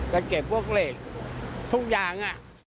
จะเก็บพวกเหล็กทุกอย่าง